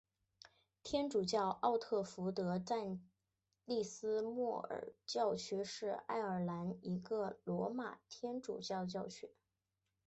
天主教沃特福德暨利斯莫尔教区是爱尔兰一个罗马天主教教区。